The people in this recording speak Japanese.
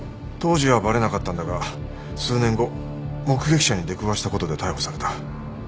当時はバレなかったんだが数年後目撃者に出くわしたことで逮捕された。